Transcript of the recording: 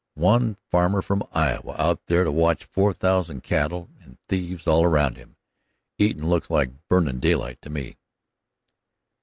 "One farmer from Iowa out there to watch four thousand cattle, and thieves all around him! Eatin' looks like burnin' daylight to me."